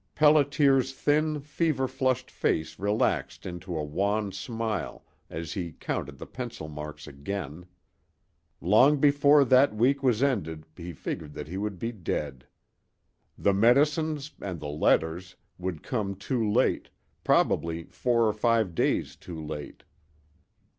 Pelliter's thin, fever flushed face relaxed into a wan smile as he counted the pencil marks again. Long before that week was ended he figured that he would be dead. The medicines and the letters would come too late, probably four or five days too late.